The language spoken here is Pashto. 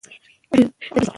دوی تجارت او سیاست دواړه کوي.